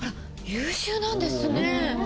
あら優秀なんですね。